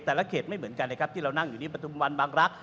แต่ละเขตไม่เหมือนกันที่เรานั่งอยู่ในปัจจุบันบังรักษณ์